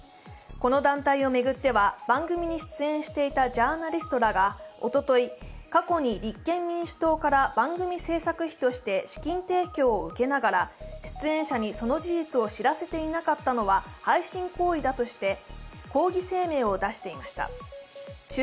この団体を巡っては番組に出演していたジャーナリストらが過去に立憲民主党から番組制作費として資金提供を受けながら出演者にその事実を知らせていなかったのは背信行為だとして抗議声明を出していました。